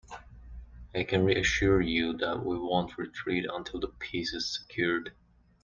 I can reassure you, that we won't retreat until the peace is secured.